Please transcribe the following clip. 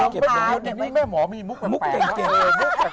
เก็บอย่างงี้แม่หมอมีมุกแบบแปลก